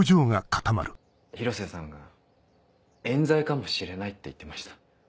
広瀬さんが冤罪かもしれないって言ってました。